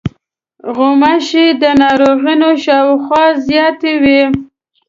غوماشې د ناروغانو شاوخوا زیاتې وي.